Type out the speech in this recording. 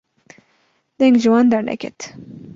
deng ji wan derneket